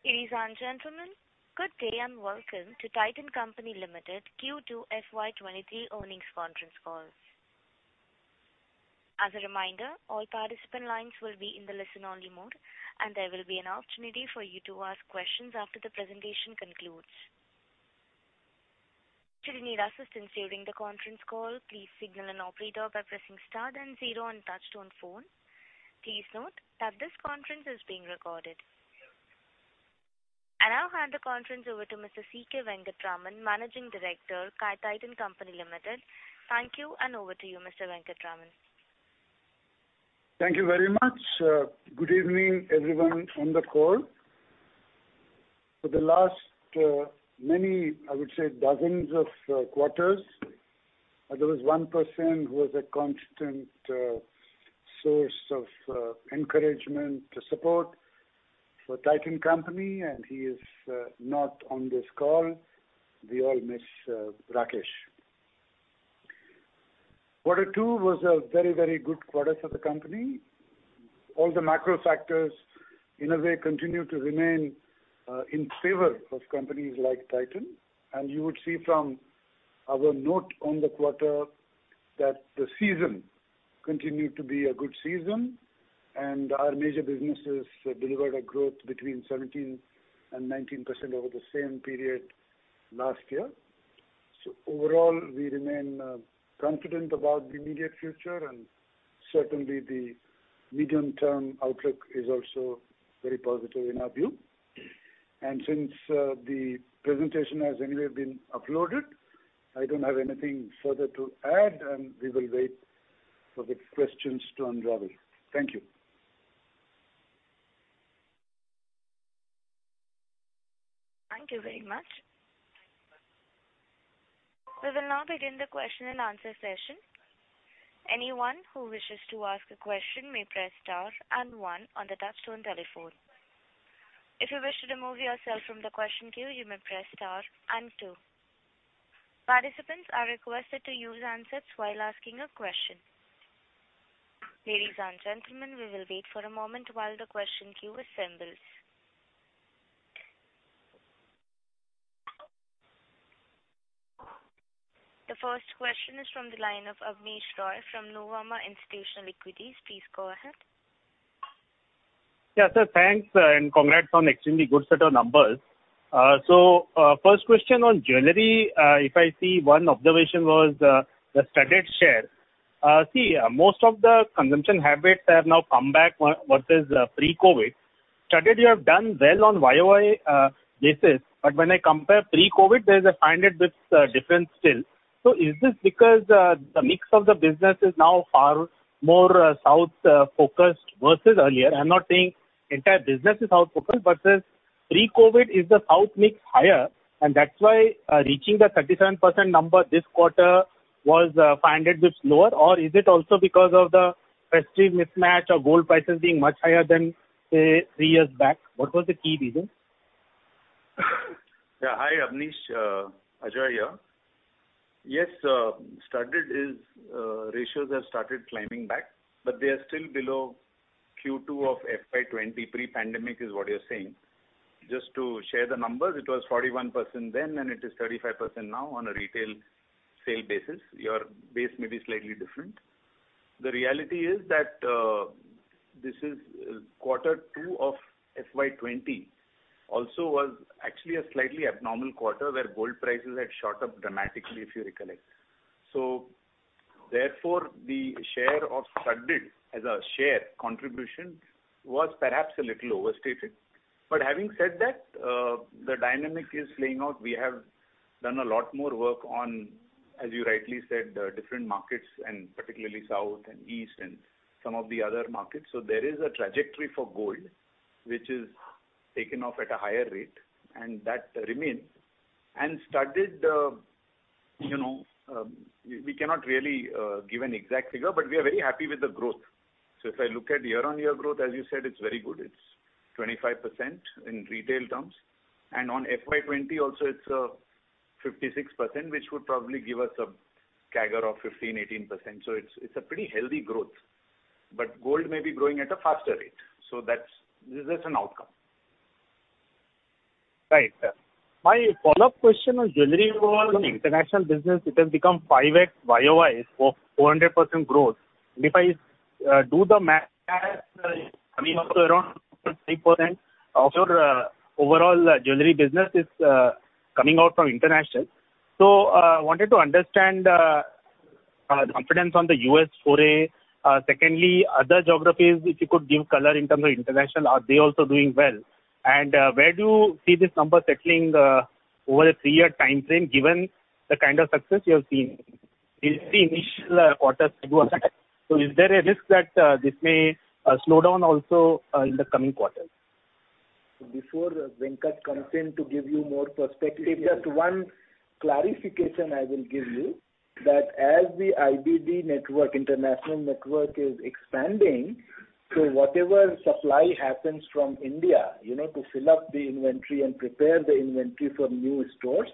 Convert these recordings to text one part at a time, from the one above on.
Ladies and gentlemen, good day and welcome to Titan Company Limited Q2 FY23 earnings conference call. As a reminder, all participant lines will be in the listen-only mode, and there will be an opportunity for you to ask questions after the presentation concludes. Should you need assistance during the conference call, please signal an operator by pressing star then zero on touch-tone phone. Please note that this conference is being recorded. I now hand the conference over to Mr. C.K. Venkataraman, Managing Director, Titan Company Limited. Thank you, and over to you, Mr. Venkataraman. Thank you very much. Good evening, everyone on the call. For the last many, I would say dozens of quarters, there was one person who was a constant source of encouragement and support for Titan Company, and he is not on this call. We all miss Rakesh. Quarter two was a very, very good quarter for the company. All the macro factors, in a way, continue to remain in favor of companies like Titan. You would see from our note on the quarter that the season continued to be a good season, and our major businesses delivered a growth between 17% and 19% over the same period last year. Overall, we remain confident about the immediate future and certainly the medium-term outlook is also very positive in our view. Since the presentation has anyway been uploaded, I don't have anything further to add, and we will wait for the questions to unravel. Thank you. Thank you very much. We will now begin the question-and-answer session. Anyone who wishes to ask a question may press star and one on the touchtone telephone. If you wish to remove yourself from the question queue, you may press star and two. Participants are requested to use handsets while asking a question. Ladies and gentlemen, we will wait for a moment while the question queue assembles. The first question is from the line of Abneesh Roy from Nomura Institutional Equities. Please go ahead. Yeah, sir. Thanks, and congrats on extremely good set of numbers. First question on jewelry. If I see, one observation was the studded share. See, most of the consumption habits have now come back versus pre-COVID. Studded, you have done well on YOY basis, but when I compare pre-COVID, there's a 500 basis points difference still. Is this because the mix of the business is now far more south focused versus earlier? I'm not saying entire business is south focused, but since pre-COVID is the south mix higher, and that's why reaching the 37% number this quarter was 500 basis points lower. Is it also because of the festive mismatch or gold prices being much higher than, say, three years back? What was the key reason? Hi, Abneesh. Ajoy here. Yes, studded ratios have started climbing back, but they are still below Q2 of FY20. Pre-pandemic is what you're saying. Just to share the numbers, it was 41% then, and it is 35% now on a retail sales basis. Your base may be slightly different. The reality is that this is quarter two of FY20 also was actually a slightly abnormal quarter where gold prices had shot up dramatically if you recollect. The share of studded as a share contribution was perhaps a little overstated. But having said that, the dynamic is playing out. We have done a lot more work on, as you rightly said, different markets and particularly South and East and some of the other markets. There is a trajectory for gold which is taken off at a higher rate, and that remains. Studded, we cannot really give an exact figure, but we are very happy with the growth. If I look at year-on-year growth, as you said, it's very good. It's 25% in retail terms. On FY20 also it's 56%, which would probably give us a CAGR of 15%-18%. It's a pretty healthy growth. Gold may be growing at a faster rate. That's. This is an outcome. Right. My follow-up question on jewelry was on international business. It has become 5x YoY, so 400% growth. If I do the math, it's coming up to around 3% of your overall jewelry business is coming out from international. Wanted to understand confidence on the U.S. foray. Secondly, other geographies, if you could give color in terms of international, are they also doing well? Where do you see this number settling over a three-year timeframe, given the kind of success you have seen? Is there a risk that this may slow down also in the coming quarters? Before Venkat comes in to give you more perspective, just one clarification I will give you that as the IBD network, international network is expanding, so whatever supply happens from India, you know, to fill up the inventory and prepare the inventory for new stores,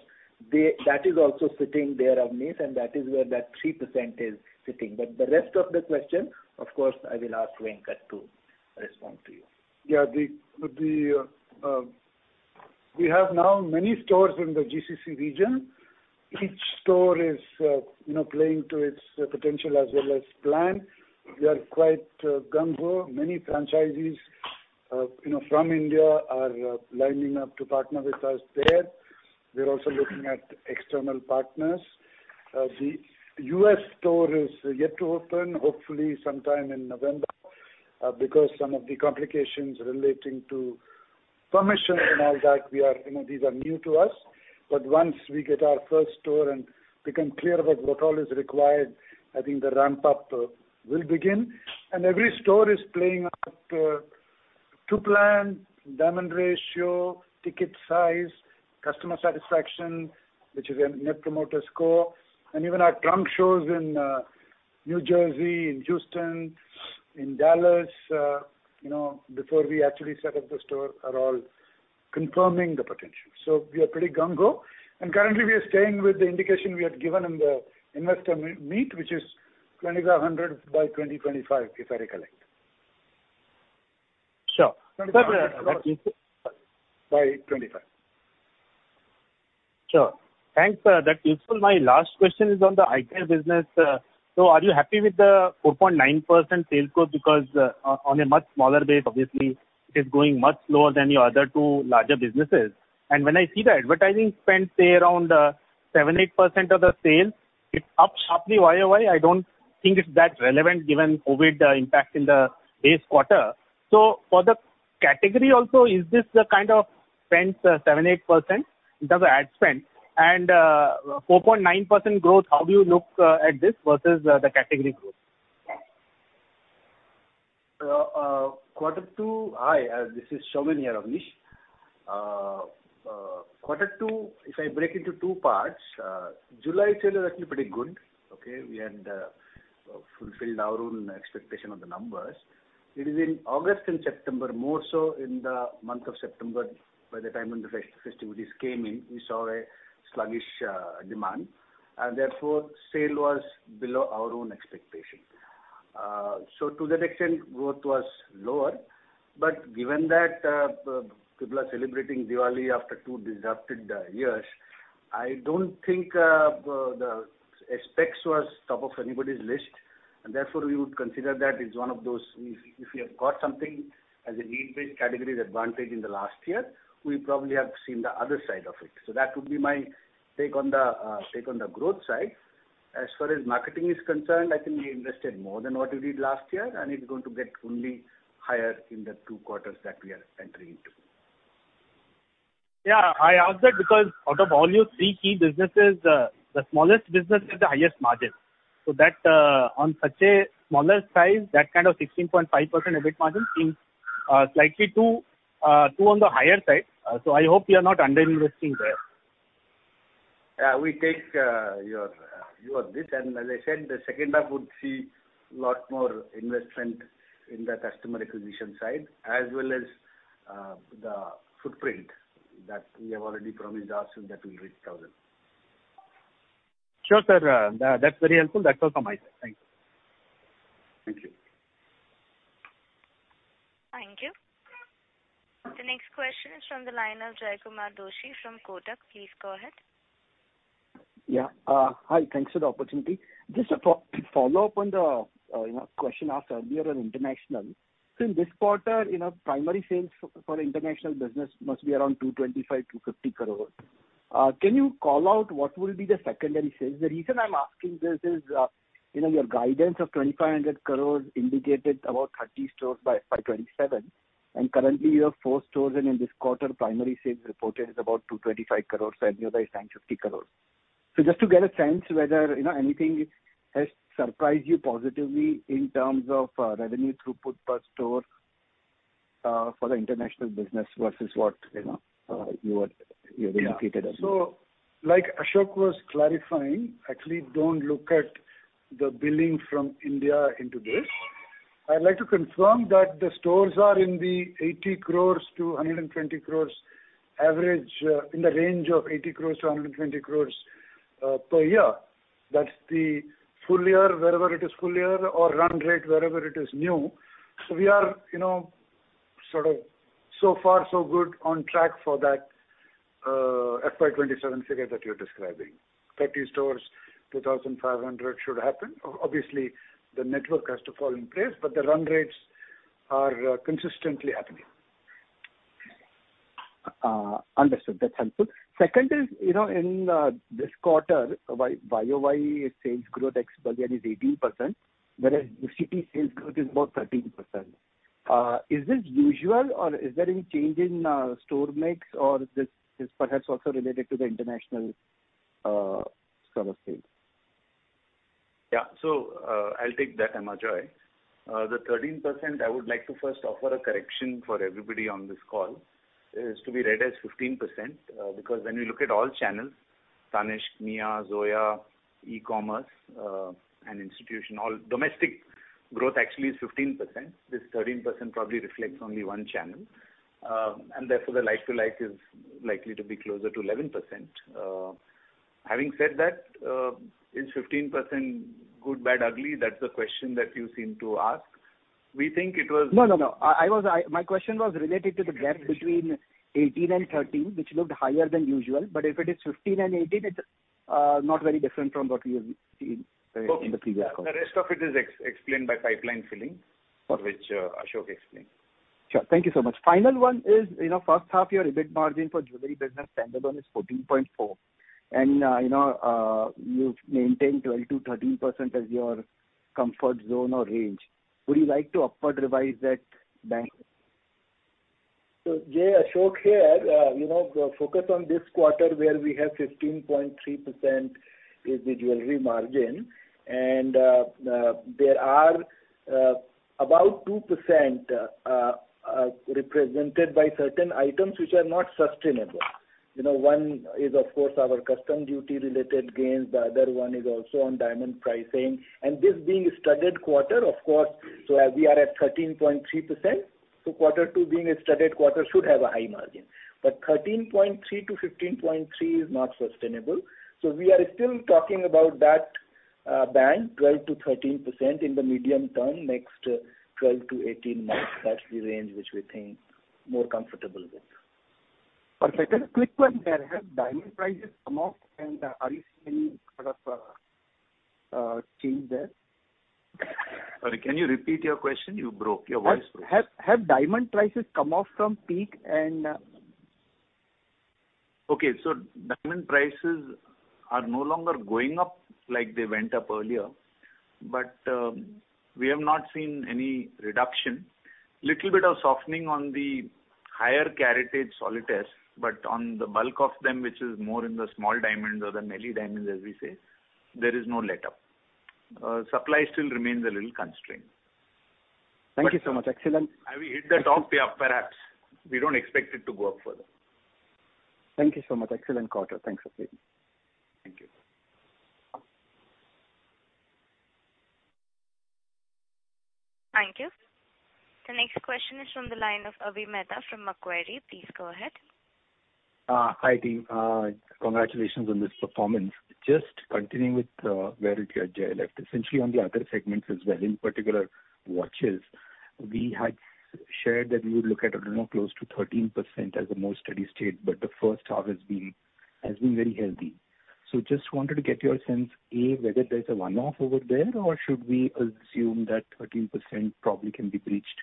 that is also sitting there, Abneesh, and that is where that 3% is sitting. The rest of the question, of course, I will ask Venkat to respond to you. Yeah. We have now many stores in the GCC region. Each store is, you know, playing to its potential as well as plan. We are quite gung-ho. Many franchisees, you know, from India are lining up to partner with us there. We are also looking at external partners. The US store is yet to open, hopefully sometime in November, because some of the complications relating to permission and all that, we are, you know, these are new to us. But once we get our first store and become clear about what all is required, I think the ramp up will begin. Every store is playing out to plan, diamond ratio, ticket size, customer satisfaction, which is a Net Promoter Score. Even our trunk shows in New Jersey, in Houston, in Dallas, you know, before we actually set up the store, are all confirming the potential. We are pretty gung-ho. Currently, we are staying with the indication we had given in the investor meet, which is 2,400 by 2025, if I recollect. Sure. By 25. Sure. Thanks. That's useful. My last question is on the eye care business. So are you happy with the 4.9% sales growth? Because on a much smaller base, obviously it is growing much slower than your other two larger businesses. When I see the advertising spend, say around 7-8% of the sales, it's up sharply YoY. I don't think it's that relevant given COVID impact in the base quarter. For the category also, is this the kind of spend, 7-8% in terms of ad spend? And 4.9% growth, how do you look at this versus the category growth? Hi, this is Saumen here, Abneesh. Quarter two, if I break into two parts, July sales are actually pretty good. Okay? We had fulfilled our own expectation of the numbers. It is in August and September, more so in the month of September, by the time the festivities came in, we saw a sluggish demand, and therefore, sale was below our own expectation. To that extent, growth was lower. Given that, people are celebrating Diwali after two disrupted years, I don't think the specs was top of anybody's list, and therefore we would consider that as one of those, if we have got something as a need-based category advantage in the last year, we probably have seen the other side of it. That would be my take on the growth side. As far as marketing is concerned, I think we invested more than what we did last year, and it's going to get only higher in the two quarters that we are entering into. Yeah. I asked that because out of all your three key businesses, the smallest business has the highest margin. That, on such a smaller size, that kind of 16.5% EBIT margin seems slightly too on the higher side. I hope you're not under-investing there. Yeah. We take your view on this. As I said, the second half would see a lot more investment in the customer acquisition side as well as the footprint that we have already promised ourselves that we'll reach 1,000. Sure, sir. That's very helpful. That's all from my side. Thank you. Thank you. Thank you. The next question is from the line of Jaykumar Doshi from Kotak. Please go ahead. Yeah. Hi. Thanks for the opportunity. Just a follow-up on the, you know, question asked earlier on international. In this quarter, you know, primary sales for international business must be around 225 crore-250 crore. Can you call out what will be the secondary sales? The reason I'm asking this is, you know, your guidance of 2,500 crore indicated about 30 stores by FY27, and currently you have 4 stores, and in this quarter, primary sales reported is about 225 crore, and your guide is saying 250 crore. Just to get a sense whether, you know, anything has surprised you positively in terms of, revenue throughput per store, for the international business versus what, you know, you had indicated as well. Yeah. Like Ashok was clarifying, actually don't look at the billing from India into this. I'd like to confirm that the stores are in the 80 crores-120 crores average, in the range of 80 crores-120 crores, per year. That's the full year, wherever it is full year or run rate, wherever it is new. We are, you know, sort of so far so good on track for that, FY27 figure that you're describing. 30 stores, 2,500 crores should happen. Obviously, the network has to fall in place, but the run rates are consistently happening. Understood. That's helpful. Second is, you know, in this quarter, year-over-year sales growth ex-bullion is 18%, whereas the total sales growth is about 13%. Is this usual or is there any change in store mix or this is perhaps also related to the international subset of sales? Yeah. I'll take that, I'm Ajoy. The 13%, I would like to first offer a correction for everybody on this call. It is to be read as 15%, because when you look at all channels, Tanishq, Mia, Zoya, e-commerce, and institutional, all domestic growth actually is 15%. This 13% probably reflects only one channel. Therefore the like to like is likely to be closer to 11%. Having said that, is 15% good, bad, ugly? That's the question that you seem to ask. We think it was- No. My question was related to the gap between 18% and 13%, which looked higher than usual. If it is 15% and 18%, it not very different from what we have seen in the previous quarter. The rest of it is explained by pipeline filling. Okay. -for which, Ashok explained. Sure. Thank you so much. Final one is, you know, first half year EBIT margin for jewelry business stand-alone is 14.4%. You've maintained 12%-13% as your comfort zone or range. Would you like to upward revise that band? Jay, Ashok here. You know, the focus on this quarter where we have 15.3% is the jewelry margin. There are about 2% represented by certain items which are not sustainable. You know, one is of course our customs duty related gains, the other one is also on diamond pricing. This being a studded quarter, of course, so as we are at 13.3%. Quarter two being a studded quarter should have a high margin. 13.3%-15.3% is not sustainable. We are still talking about that, back 12%-13% in the medium term, next 12-18 months. That's the range which we think more comfortable with. Perfect. A quick one there. Have diamond prices come off and are you seeing sort of change there? Sorry, can you repeat your question? You broke. Your voice broke. Have diamond prices come off from peak? Diamond prices are no longer going up like they went up earlier. We have not seen any reduction. Little bit of softening on the higher caratage solitaires. On the bulk of them, which is more in the small diamonds or the melee diamonds as we say, there is no letup. Supply still remains a little constrained. Thank you so much. Excellent. Have we hit the top? Yeah, perhaps. We don't expect it to go up further. Thank you so much. Excellent quarter. Thanks, Ajoy. Thank you. Thank you. The next question is from the line of Abhi Mehta from Macquarie. Please go ahead. Hi team. Congratulations on this performance. Just continuing with where Jay left, essentially on the other segments as well, in particular watches. We had shared that we would look at, I don't know, close to 13% as a more steady state, but the first half has been very healthy. Just wanted to get your sense, A, whether there's a one-off over there, or should we assume that 13% probably can be breached?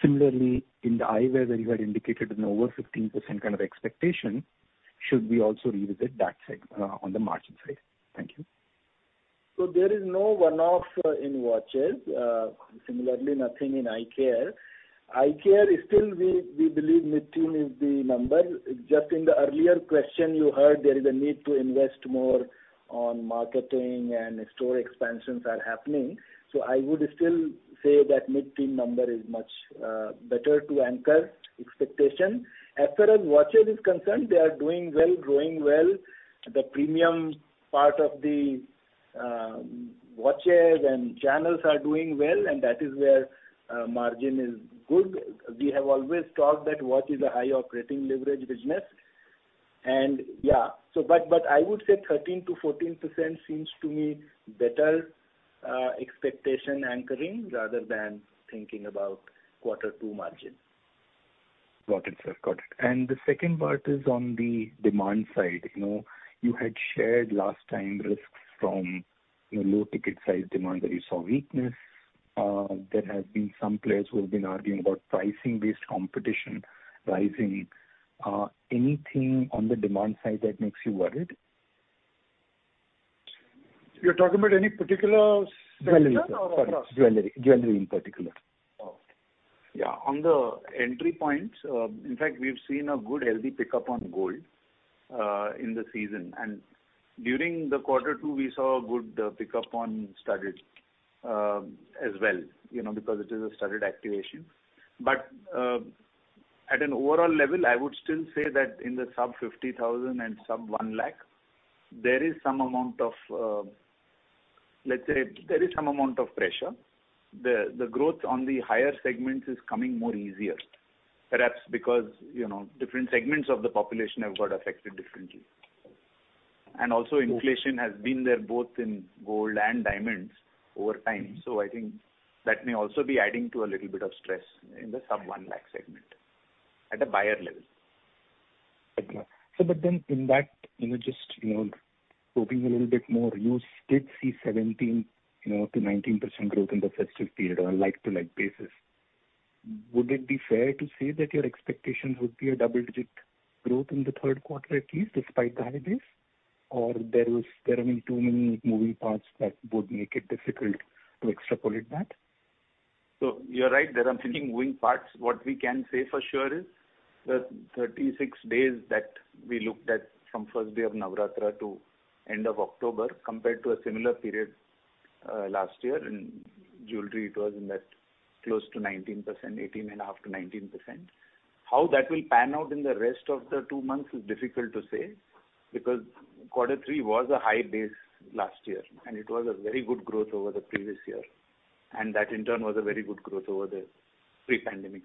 Similarly in the eyewear where you had indicated an over 15% kind of expectation, should we also revisit that on the margin side? Thank you. There is no one-off in watches. Similarly nothing in eye care. Eye care is still. We believe mid-teen is the number. Just in the earlier question you heard there is a need to invest more on marketing and store expansions are happening. I would still say that mid-teen number is much better to anchor expectation. As far as watches is concerned, they are doing well, growing well. The premium part of the watches and channels are doing well, and that is where margin is good. We have always thought that watch is a high operating leverage business. Yeah. I would say 13%-14% seems to me better expectation anchoring rather than thinking about quarter two margin. Got it, sir. The second part is on the demand side. You know, you had shared last time risks from, you know, low ticket size demand that you saw weakness. There have been some players who have been arguing about pricing-based competition rising. Anything on the demand side that makes you worried? You're talking about any particular segment or across? Sorry. Jewelry in particular. On the entry points, in fact we've seen a good healthy pickup on gold in the season. During the quarter two we saw a good pickup on studded as well. You know, because it is a studded activation. At an overall level, I would still say that in the sub 50,000 and sub 1 lakh, there is some amount of pressure. The growth on the higher segments is coming more easier, perhaps because, you know, different segments of the population have got affected differently. Also inflation has been there both in gold and diamonds over time. I think that may also be adding to a little bit of stress in the sub 1 lakh segment at a buyer level. in that, you know, just, you know, probing a little bit more, you did see 17, you know, to 19% growth in the festive period on a like-for-like basis. Would it be fair to say that your expectation would be a double-digit growth in the third quarter at least despite the high base? Or there are too many moving parts that would make it difficult to extrapolate that? You're right, there are many moving parts. What we can say for sure is the 36 days that we looked at from first day of Navratri to end of October, compared to a similar period last year in jewelry, it was in that close to 19%, 18.5%-19%. How that will pan out in the rest of the 2 months is difficult to say, because quarter three was a high base last year, and it was a very good growth over the previous year. That in turn was a very good growth over the pre-pandemic.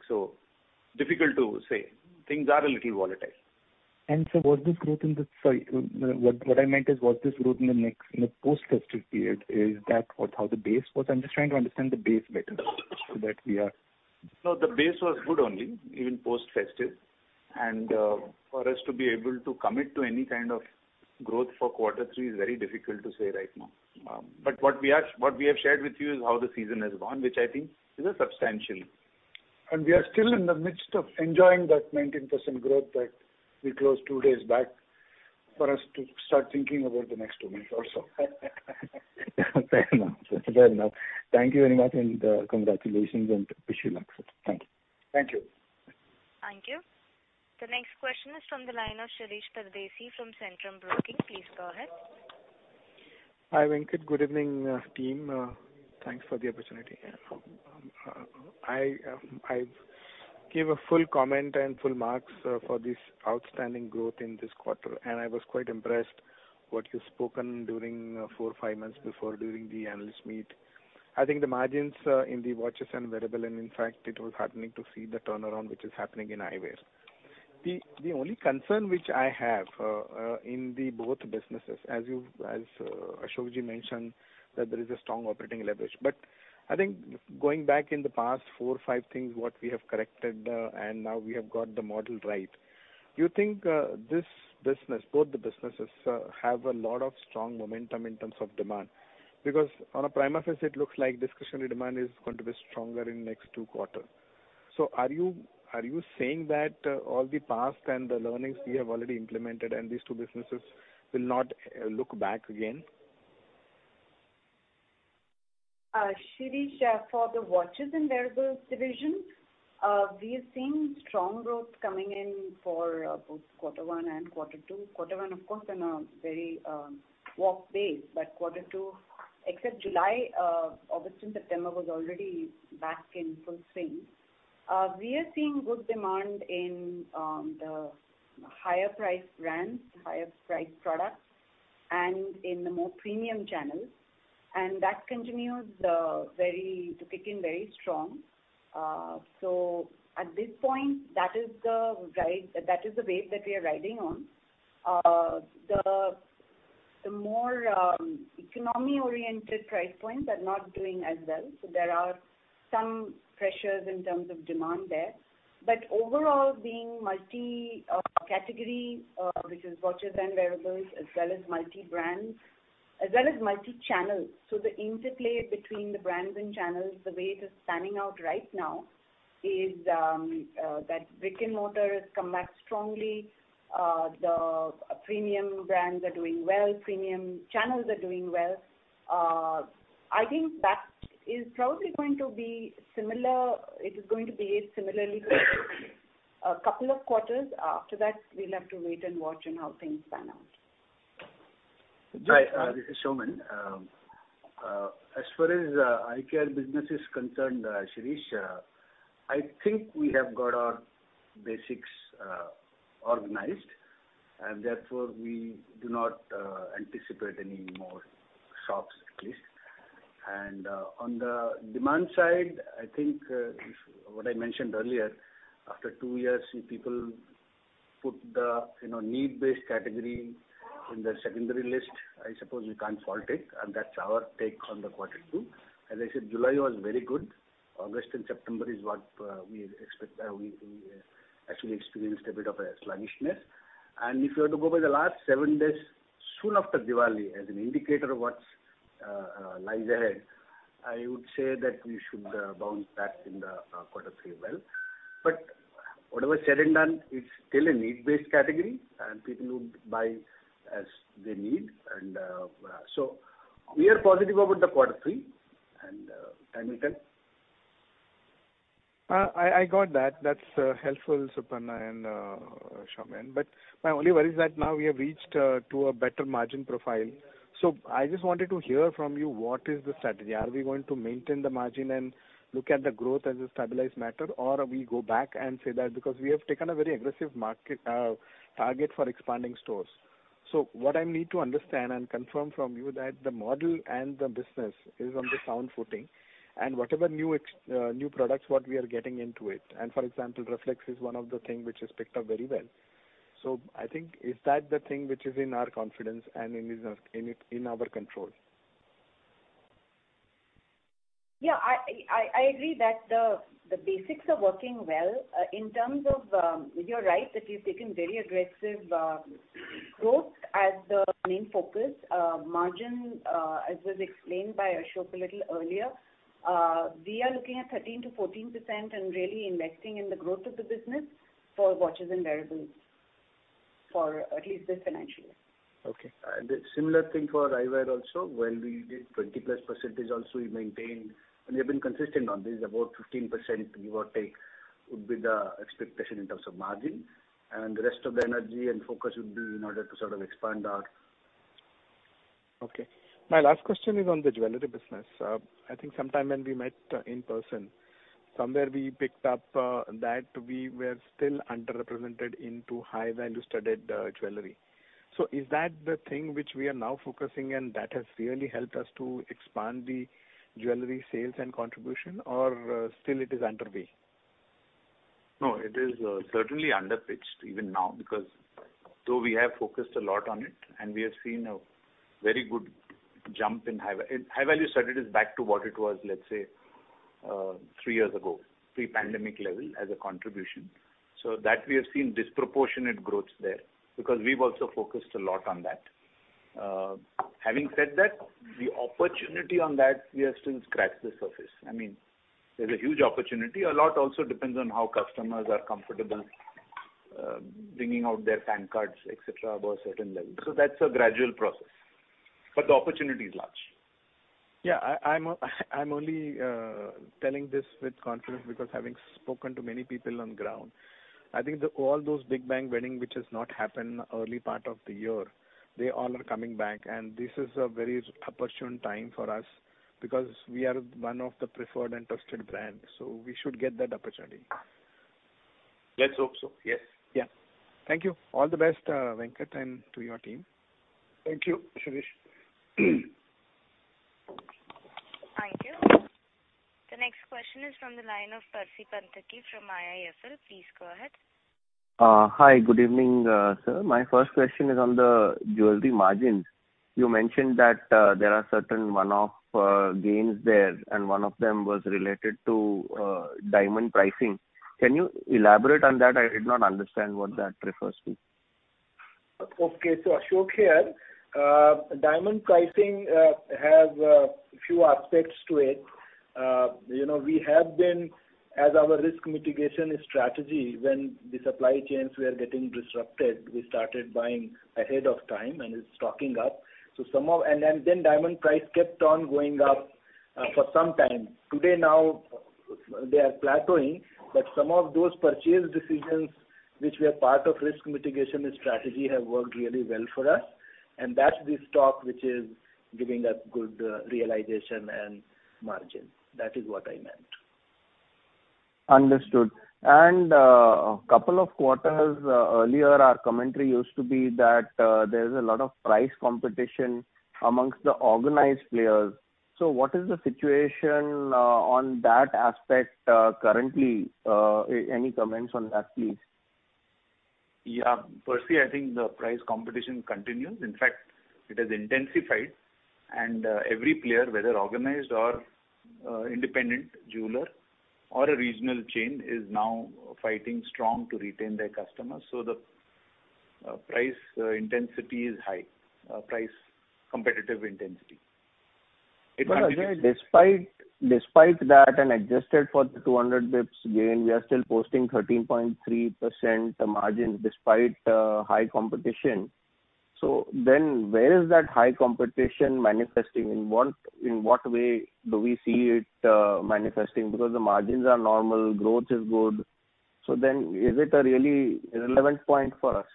Difficult to say. Things are a little volatile. What I meant is, was this growth in the next, in the post-festive period, is that what how the base was? I'm just trying to understand the base better so that we are- No, the base was good only, even post-festive. For us to be able to commit to any kind of growth for quarter three is very difficult to say right now. But what we have shared with you is how the season has gone, which I think is a substantial. We are still in the midst of enjoying that 19% growth that we closed two days back for us to start thinking about the next two weeks or so. Fair enough. Thank you very much, and, congratulations and wish you luck for it. Thank you. Thank you. Thank you. The next question is from the line of Shirish Pardeshi from Centrum Broking. Please go ahead. Hi, Venkat. Good evening, team. Thanks for the opportunity. I give full compliments and full marks for this outstanding growth in this quarter, and I was quite impressed what you've spoken during 4-5 months before during the analyst meet. I think the margins in the watches and wearable, and in fact it was heartening to see the turnaround which is happening in Eyewear. The only concern which I have in both businesses, as Ashokji mentioned, that there is a strong operating leverage. I think going back in the past 4-5 years, what we have corrected, and now we have got the model right. Do you think this business, both the businesses, have a lot of strong momentum in terms of demand? Because on a prima facie, it looks like discretionary demand is going to be stronger in next two quarter. Are you saying that all the past and the learnings we have already implemented and these two businesses will not look back again? Shirish, for the watches and wearables division, we are seeing strong growth coming in for both quarter 1 and quarter 2. Quarter 1, of course, in a very weak base. Quarter 2, except July, August and September was already back in full swing. We are seeing good demand in the higher priced brands, higher priced products, and in the more premium channels, and that continues to kick in very strong. At this point, that is the ride, that is the wave that we are riding on. The more economy-oriented price points are not doing as well. There are some pressures in terms of demand there. Overall, being multi-category, which is watches and wearables as well as multi-brand, as well as multi-channel. The interplay between the brands and channels, the way it is panning out right now is, that Titan watches come back strongly. The premium brands are doing well. Premium channels are doing well. I think that is probably going to be similar, it is going to behave similarly for a couple of quarters. After that, we'll have to wait and watch on how things pan out. Just, uh- Hi, this is Saumen. As far as eye care business is concerned, Shirish, I think we have got our basics organized, and therefore, we do not anticipate any more shocks at least. On the demand side, I think if what I mentioned earlier, after two years, if people put the you know need-based category in their secondary list, I suppose you can't fault it, and that's our take on the quarter two. As I said, July was very good. August and September is what we actually experienced a bit of a sluggishness. If you were to go by the last seven days, soon after Diwali, as an indicator of what lies ahead, I would say that we should bounce back in the quarter three well. Whatever said and done, it's still a need-based category, and people would buy as they need. We are positive about the quarter three and time will tell. I got that. That's helpful, Suparna and Saumen. My only worry is that now we have reached to a better margin profile. I just wanted to hear from you what is the strategy. Are we going to maintain the margin and look at the growth as a stabilized matter, or are we go back and say that because we have taken a very aggressive market target for expanding stores. What I need to understand and confirm from you that the model and the business is on the sound footing and whatever new products what we are getting into it. For example, Reflex is one of the thing which is picked up very well. I think is that the thing which is in our confidence and in business, in it, in our control? Yeah. I agree that the basics are working well. In terms of, you're right, that we've taken very aggressive growth as the main focus. Margin, as was explained by Ashok a little earlier, we are looking at 13%-14% and really investing in the growth of the business for watches and wearables for at least this financial year. Okay. Similar thing for Eyewear also. When we did 20+% also we maintained, and we have been consistent on this, about 15% give or take would be the expectation in terms of margin. The rest of the energy and focus would be in order to sort of expand our. Okay. My last question is on the jewelry business. I think sometime when we met in person, somewhere we picked up that we were still underrepresented into high value studded jewelry. Is that the thing which we are now focusing and that has really helped us to expand the jewelry sales and contribution, or still it is underway? No, it is certainly under pitched even now because though we have focused a lot on it, and we have seen a very good jump. In high value studded is back to what it was, let's say, three years ago, pre-pandemic level as a contribution. That we have seen disproportionate growth there because we've also focused a lot on that. Having said that, the opportunity on that we have still scratched the surface. I mean, there's a huge opportunity. A lot also depends on how customers are comfortable bringing out their PAN cards, et cetera, above a certain level. That's a gradual process, but the opportunity is large. Yeah. I'm only telling this with confidence because having spoken to many people on ground, I think all those big bang weddings which has not happened early part of the year, they all are coming back. This is a very opportune time for us because we are one of the preferred and trusted brands, so we should get that opportunity. Let's hope so. Yes. Yeah. Thank you. All the best, Venkat, and to your team. Thank you, Shirish. Thank you. The next question is from the line of Percy Panthaki from IIFL. Please go ahead. Hi. Good evening, sir. My first question is on the jewelry margins. You mentioned that there are certain one-off gains there, and one of them was related to diamond pricing. Can you elaborate on that? I did not understand what that refers to. Okay. Ashok here. Diamond pricing has a few aspects to it. You know, we have been as our risk mitigation strategy when the supply chains were getting disrupted, we started buying ahead of time and stocking up. And then diamond price kept on going up for some time. Today now they are plateauing, but some of those purchase decisions which were part of risk mitigation strategy have worked really well for us, and that's the stock which is giving us good realization and margin. That is what I meant. Understood. A couple of quarters earlier our commentary used to be that there's a lot of price competition among the organized players. What is the situation on that aspect currently? Any comments on that, please? Yeah. Percy, I think the price competition continues. In fact, it has intensified and, every player, whether organized or, independent jeweler or a regional chain, is now fighting strong to retain their customers. The price intensity is high. Price competitive intensity. It continues. Again, despite that and adjusted for the 200 basis points gain, we are still posting 13.3% margins despite high competition. Where is that high competition manifesting? In what way do we see it manifesting? Because the margins are normal, growth is good. Is it a really relevant point for us?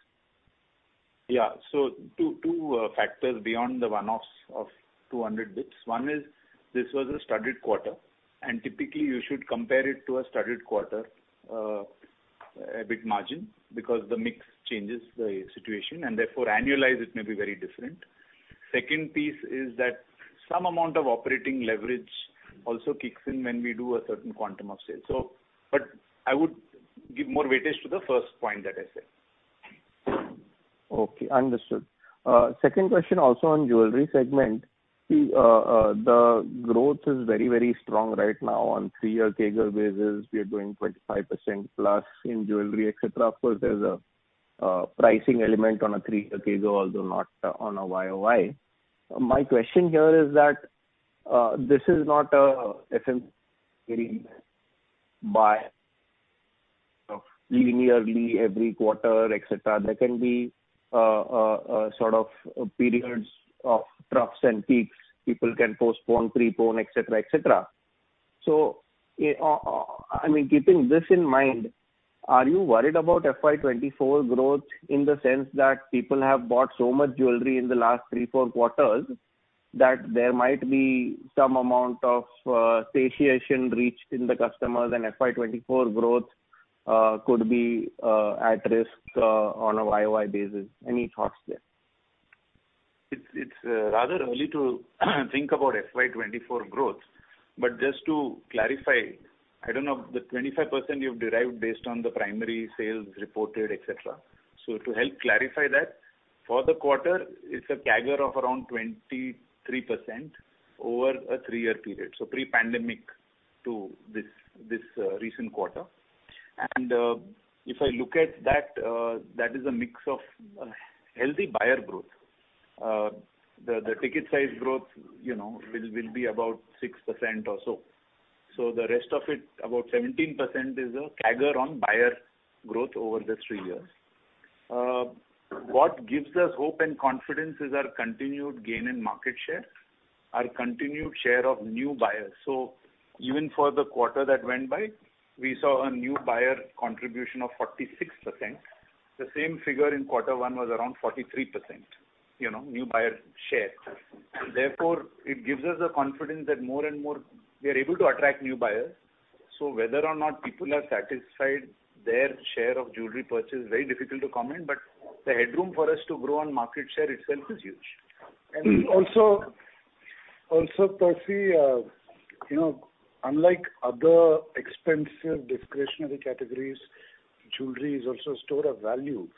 Yeah. Two factors beyond the one-offs of 200 basis points. One is this was a studded quarter, and typically you should compare it to a studded quarter, EBIT margin because the mix changes the situation and therefore annualize it may be very different. Second piece is that some amount of operating leverage also kicks in when we do a certain quantum of sales. I would give more weightage to the first point that I said. Okay, understood. Second question also on jewelry segment. See, the growth is very, very strong right now. On three-year CAGR basis, we are doing 25% plus in jewelry, et cetera. Of course, there's a pricing element on a three-year CAGR, although not on a YOY. My question here is that this is not linearly every quarter, et cetera. There can be sort of periods of troughs and peaks. People can postpone, prepone, et cetera, et cetera. I mean, keeping this in mind, are you worried about FY 2024 growth in the sense that people have bought so much jewelry in the last three, four quarters that there might be some amount of satiation reached in the customers and FY 2024 growth could be at risk on a YOY basis? Any thoughts there? It's rather early to think about FY24 growth. Just to clarify, I don't know if the 25% you've derived based on the primary sales reported, et cetera. To help clarify that, for the quarter, it's a CAGR of around 23% over a three-year period, so pre-pandemic to this recent quarter. If I look at that is a mix of healthy buyer growth. The ticket size growth, you know, will be about 6% or so. The rest of it, about 17% is a CAGR on buyer growth over the three years. What gives us hope and confidence is our continued gain in market share, our continued share of new buyers. Even for the quarter that went by, we saw a new buyer contribution of 46%. The same figure in quarter one was around 43%. You know, new buyer share. Therefore, it gives us the confidence that more and more we are able to attract new buyers. Whether or not people are satisfied, their share of jewelry purchase, very difficult to comment, but the headroom for us to grow on market share itself is huge. Also Percy, you know, unlike other expensive discretionary categories, jewelry is also a store of value.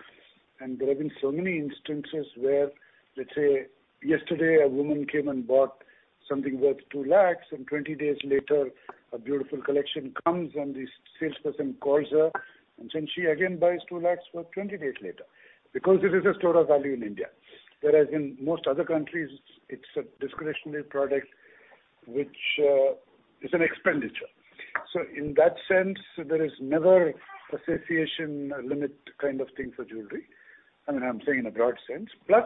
There have been so many instances where, let's say yesterday a woman came and bought something worth 2 lakhs and 20 days later a beautiful collection comes and the salesperson calls her, and since she again buys 2 lakhs worth 20 days later. Because it is a store of value in India. Whereas in most other countries it's a discretionary product, which is an expenditure. In that sense, there is never a satiation limit kind of thing for jewelry. I mean, I'm saying in a broad sense. Plus,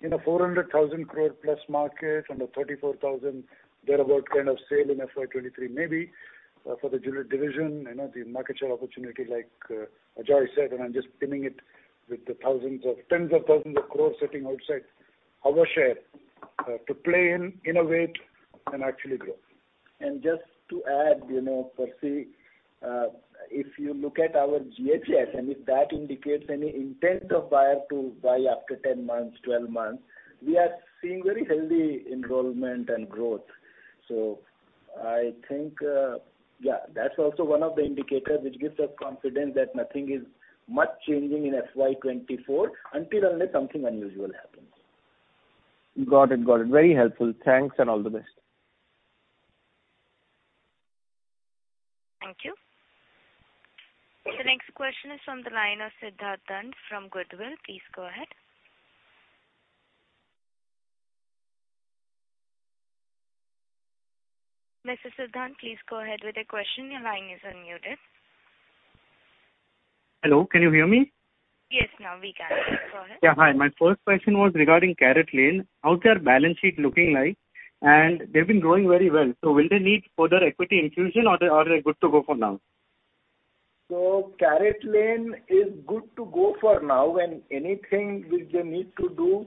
in a 400,000 crore+ market on a 34,000 crore thereabout kind of sale in FY23, maybe for the jewelry division, you know, the market share opportunity like, Ajoy said, and I'm just pinning it with the tens of thousands of crores sitting outside our share, to play in, innovate and actually grow. Just to add, you know, Percy, if you look at our GHS, and if that indicates any intent of buyer to buy after 10 months, 12 months, we are seeing very healthy enrollment and growth. I think, yeah, that's also one of the indicators which gives us confidence that nothing is much changing in FY 2024 unless something unusual happens. Got it. Very helpful. Thanks and all the best. Thank you. The next question is from the line of Siddhant Dand from Goodwill. Please go ahead. Mr. Siddhant, please go ahead with your question. Your line is unmuted. Hello, can you hear me? Yes, now we can. Go ahead. Yeah. Hi. My first question was regarding CaratLane. How's their balance sheet looking like? They've been growing very well. Will they need further equity infusion or they're good to go for now? CaratLane is good to go for now, and anything which they need to do,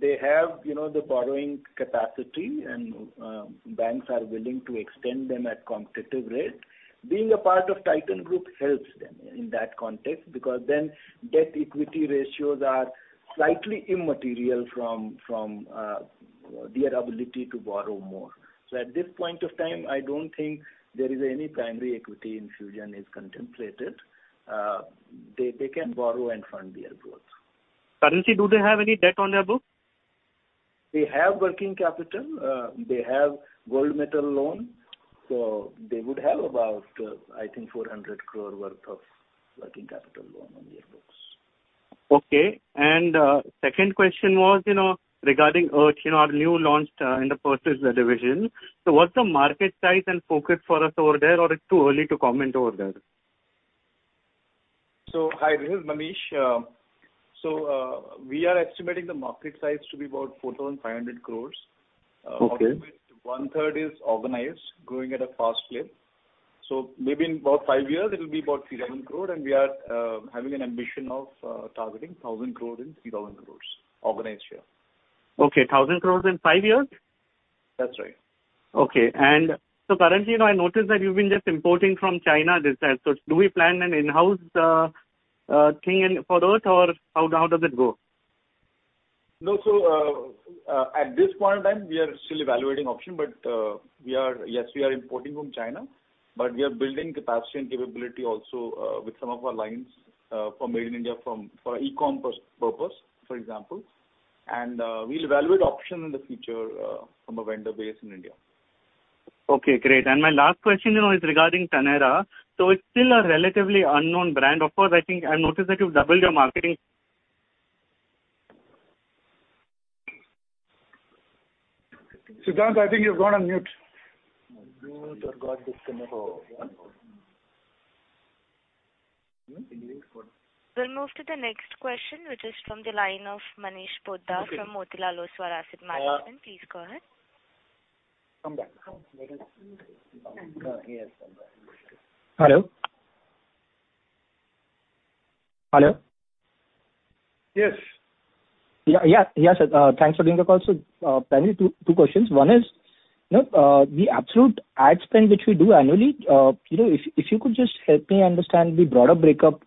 they have the borrowing capacity and banks are willing to extend them at competitive rate. Being a part of Titan Company helps them in that context because then debt equity ratios are slightly immaterial from their ability to borrow more. At this point of time, I don't think there is any primary equity infusion is contemplated. They can borrow and fund their growth. Currently, do they have any debt on their books? They have working capital. They have gold metal loan. They would have about, I think, 400 crore worth of working capital loan on their books. Okay, second question was, you know, regarding IRTH, you know, our new launched in the purchase division. What's the market size and focus for us over there, or it's too early to comment over there? Hi, this is Manish. We are estimating the market size to be about 4,500 crore. Okay. Of which one-third is organized, growing at a fast clip. Maybe in about 5 years it will be about 3,000 crore, and we are having an ambition of targeting 1,000 crore and 3,000 crores organized here. Okay. 1,000 crore in 5 years? That's right. Okay. Currently now I noticed that you've been just importing from China this time. Do we plan an in-house thing in for IRTH or how does it go? No. At this point in time, we are still evaluating option, but we are importing from China, but we are building capacity and capability also with some of our lines from Made in India for e-com purpose, for example. We'll evaluate option in the future from a vendor base in India. Okay, great. My last question, you know, is regarding Taneira. It's still a relatively unknown brand. Of course, I think I noticed that you've doubled your marketing- Siddhant, I think you've gone on mute. We'll move to the next question, which is from the line of Manish Poddar from Motilal Oswal Asset Management. Please go ahead. Come back. Hello? Hello? Yes. Yeah. Yes. Thanks for doing the call. Primarily two questions. One is, you know, the absolute ad spend which we do annually, you know, if you could just help me understand the broader breakup,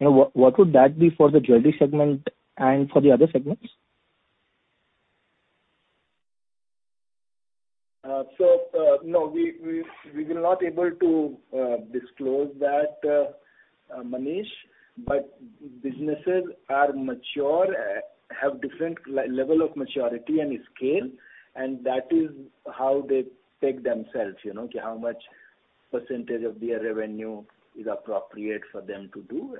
you know, what would that be for the jewelry segment and for the other segments? No, we will not able to disclose that, Manish, but businesses are mature, have different level of maturity and scale, and that is how they take themselves, you know, how much percentage of their revenue is appropriate for them to do.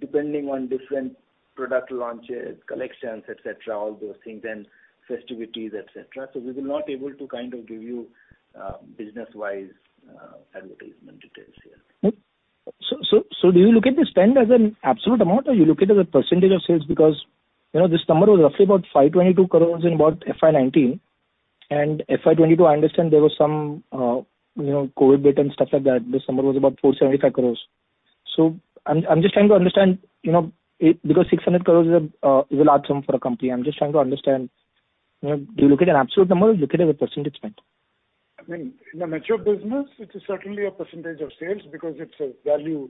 Depending on different product launches, collections, et cetera, all those things, and festivities, et cetera. We will not able to kind of give you, business-wise, advertisement details here. So do you look at the spend as an absolute amount or you look at as a percentage of sales? Because, you know, this number was roughly about 522 crores in about FY19. FY22, I understand there was some, you know, COVID bit and stuff like that. This number was about 475 crores. I'm just trying to understand, you know, it because 600 crore is a large sum for a company. I'm just trying to understand, you know, do you look at an absolute number or look at it as a percentage spent? I mean, in a mature business, it is certainly a percentage of sales because it's a value,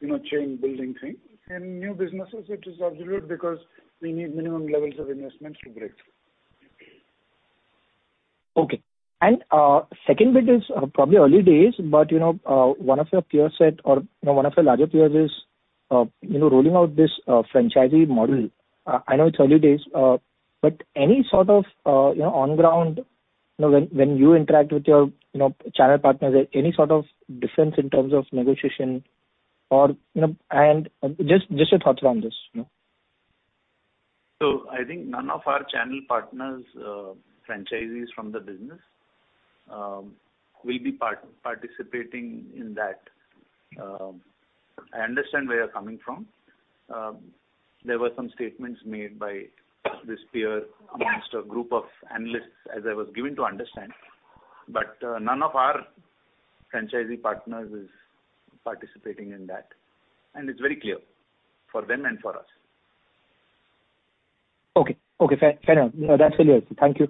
you know, chain building thing. In new businesses, it is absolute because we need minimum levels of investments to break through. Okay. Second bit is probably early days, but you know one of your peer set or you know one of your larger peers is you know rolling out this franchisee model. I know it's early days but any sort of you know on ground you know when you interact with your you know channel partners any sort of difference in terms of negotiation or you know and just your thoughts around this you know. I think none of our channel partners, franchisees from the business, will be participating in that. I understand where you're coming from. There were some statements made by this peer. Yeah. against a group of analysts as I was given to understand. None of our franchisee partners is participating in that, and it's very clear for them and for us. Okay. Fair enough. That's really helpful. Thank you.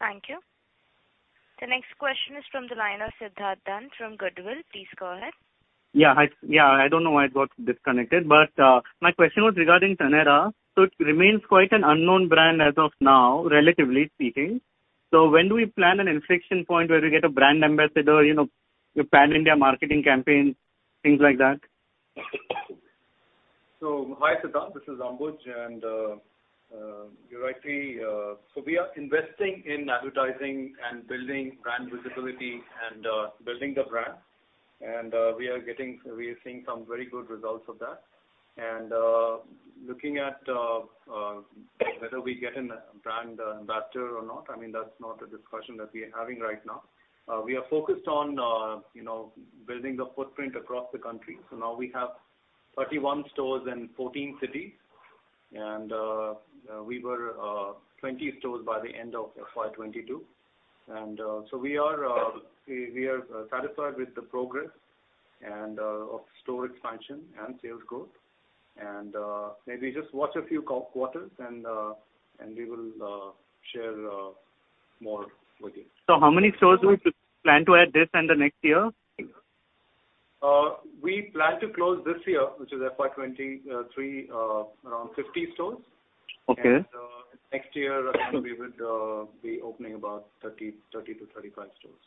Thank you. The next question is from the line of Siddhant Dand from Goodwill. Please go ahead. Yeah. I don't know why it got disconnected, but my question was regarding Taneira. It remains quite an unknown brand as of now, relatively speaking. When do we plan an inflection point where we get a brand ambassador, you know, a pan-India marketing campaign, things like that? Hi, Siddhant, this is Ajoy, and you're right. We are investing in advertising and building brand visibility and building the brand. We are seeing some very good results of that. Looking at whether we get a brand ambassador or not, I mean, that's not a discussion that we are having right now. We are focused on you know, building the footprint across the country. Now we have 31 stores in 14 cities and we were 20 stores by the end of FY22. We are satisfied with the progress of store expansion and sales growth. Maybe just watch a few quarters and we will share more with you. How many stores do we plan to add this and the next year? We plan to close this year, which is FY23, around 50 stores. Okay. Next year we would be opening about 30-35 stores.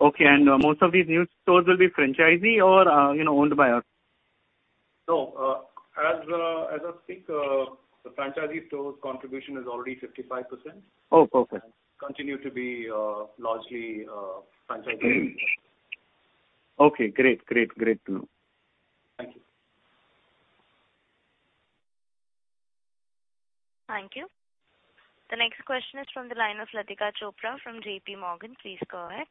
Okay. Most of these new stores will be franchisee or, you know, owned by us? No, as I think, the franchisee stores contribution is already 55%. Oh, perfect. Continue to be largely franchisee. Okay, great. Great to know. Thank you. Thank you. The next question is from the line of Latika Chopra from JPMorgan. Please go ahead.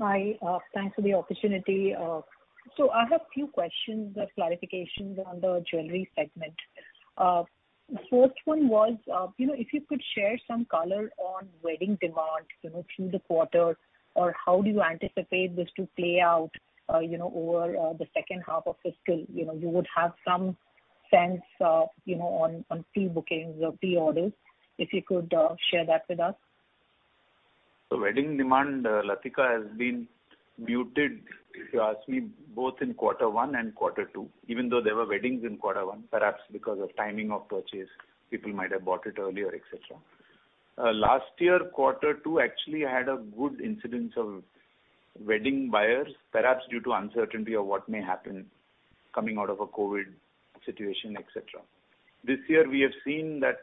Hi. Thanks for the opportunity. I have few questions or clarifications on the jewelry segment. The first one was, you know, if you could share some color on wedding demand, you know, through the quarter or how do you anticipate this to play out, you know, over the second half of fiscal? You know, you would have some sense, you know, on pre-bookings or pre-orders, if you could share that with us. The wedding demand, Latika, has been muted, if you ask me, both in quarter one and quarter two, even though there were weddings in quarter one, perhaps because of timing of purchase, people might have bought it earlier, et cetera. Last year, quarter two actually had a good incidence of wedding buyers, perhaps due to uncertainty of what may happen coming out of a COVID situation, et cetera. This year we have seen that,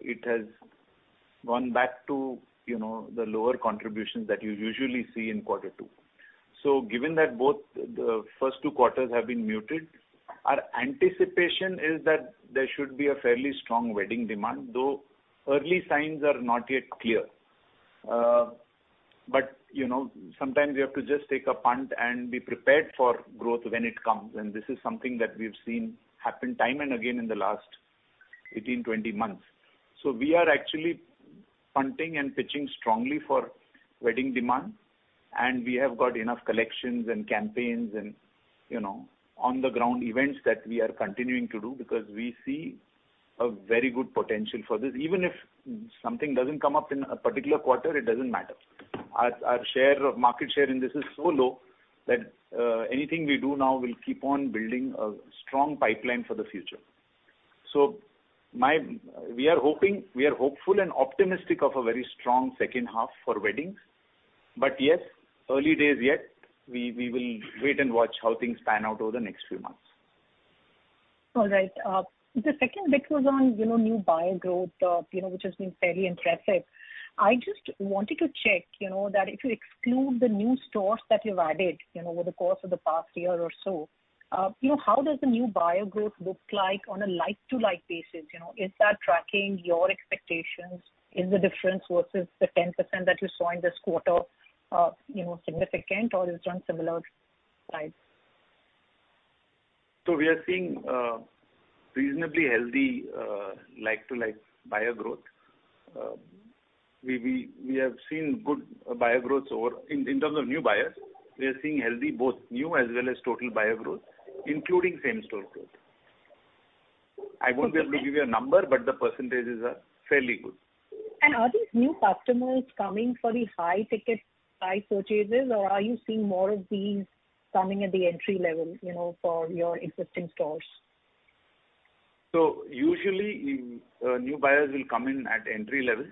it has gone back to, you know, the lower contributions that you usually see in quarter two. Given that both the first two quarters have been muted, our anticipation is that there should be a fairly strong wedding demand, though early signs are not yet clear. You know, sometimes you have to just take a punt and be prepared for growth when it comes, and this is something that we've seen happen time and again in the last 18-20 months. We are actually punting and pitching strongly for wedding demand, and we have got enough collections and campaigns and, you know, on the ground events that we are continuing to do because we see a very good potential for this. Even if something doesn't come up in a particular quarter, it doesn't matter. Our share of market share in this is so low that anything we do now will keep on building a strong pipeline for the future. We are hoping. We are hopeful and optimistic of a very strong second half for weddings. Yes, early days yet. We will wait and watch how things pan out over the next few months. All right. The second bit was on, you know, new buyer growth, you know, which has been fairly impressive. I just wanted to check, you know, that if you exclude the new stores that you've added, you know, over the course of the past year or so, you know, how does the new buyer growth look like on a like-for-like basis? You know, is that tracking your expectations? Is the difference versus the 10% that you saw in this quarter, you know, significant or is it on similar lines? We are seeing reasonably healthy like to like buyer growth. We have seen good buyer growth in terms of new buyers. We are seeing healthy, both new as well as total buyer growth, including same store growth. I won't be able to give you a number, but the percentages are fairly good. Are these new customers coming for the high ticket, high purchases, or are you seeing more of these coming at the entry level, you know, for your existing stores? Usually, new buyers will come in at entry level.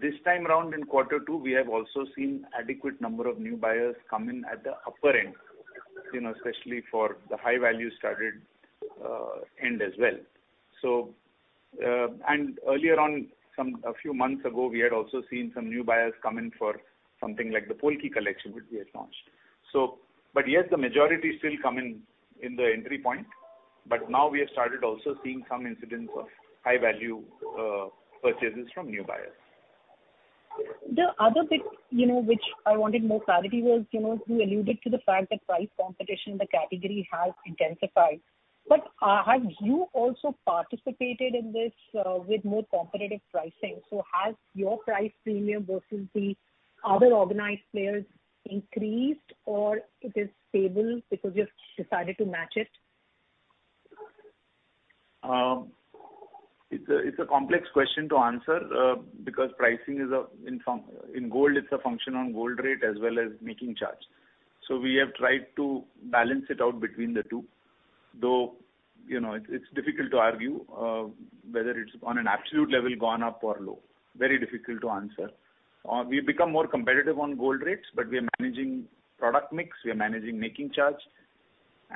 This time around in quarter two, we have also seen adequate number of new buyers come in at the upper end, you know, especially for the high value studded end as well. Earlier on, some, a few months ago, we had also seen some new buyers come in for something like the Polki collection which we had launched. Yes, the majority still come in in the entry point. Now we have started also seeing some incidents of high value purchases from new buyers. The other bit, you know, which I wanted more clarity was, you know, you alluded to the fact that price competition in the category has intensified. Have you also participated in this with more competitive pricing? Has your price premium versus the other organized players increased, or it is stable because you've decided to match it? It's a complex question to answer, because pricing is a function of gold rate as well as making charge. We have tried to balance it out between the two. Though, you know, it's difficult to argue whether it's on an absolute level, gone up or low. Very difficult to answer. We've become more competitive on gold rates, but we are managing product mix, we are managing making charge,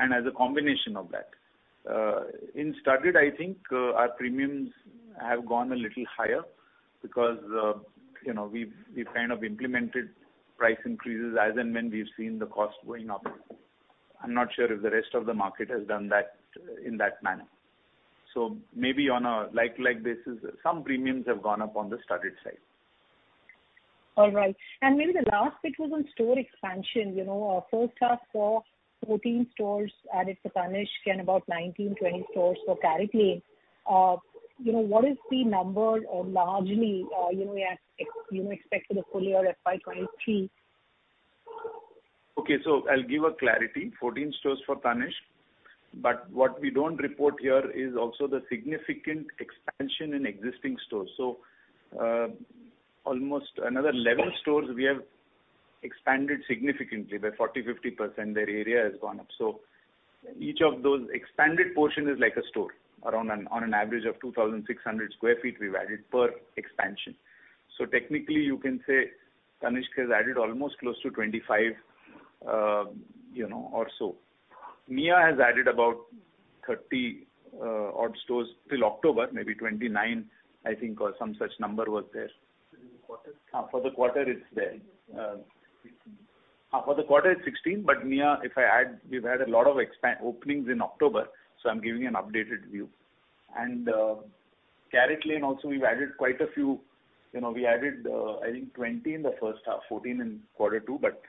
and as a combination of that. In studded, I think, our premiums have gone a little higher because, you know, we've kind of implemented price increases as and when we've seen the cost going up. I'm not sure if the rest of the market has done that in that manner. Maybe on a like-for-like basis, some premiums have gone up on the studded side. All right. Maybe the last bit was on store expansion. You know, first half saw 14 stores added to Tanishq and about 19, 20 stores for CaratLane. You know, what is the number or largely, you know, we ask, you know, expected for full year FY23? Okay. I'll give a clarity. 14 stores for Tanishq. What we don't report here is also the significant expansion in existing stores. Almost another 11 stores we have expanded significantly by 40%-50% their area has gone up. Each of those expanded portion is like a store. On an average of 2,600 sq ft we've added per expansion. Technically, you can say Tanishq has added almost close to 25, you know, or so. Mia has added about 30 odd stores till October, maybe 29, I think, or some such number was there. For the quarter? For the quarter, it's there. 16. For the quarter it's 16. Mia, if I add, we've had a lot of openings in October, I'm giving you an updated view. CaratLane also we've added quite a few. You know, we added, I think 20 in the first half, 14 in quarter two, but